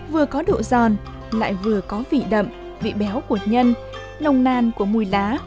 vừa có độ giòn lại vừa có vị đậm vị béo của nhân nồng nan của mùi lá